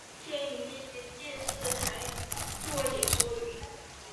现于一间电视台做解说员。